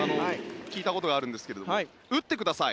聞いたことがあるんですが打ってください